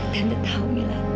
tante tahu mila